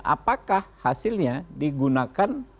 apakah hasilnya digunakan